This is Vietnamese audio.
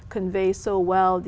cộng đồng thứ một mươi bốn